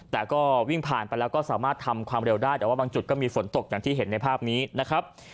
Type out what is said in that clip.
แต่ก็วิ่งผ่านไปแล้วก็สามารถทำความเร็วได้แต่ว่าบางจุดก็มีฝนตกอย่างที่เห็นในภาพนี้นะครับ